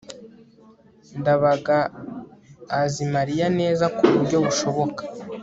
ndabaga azi mariya neza kuburyo bushoboka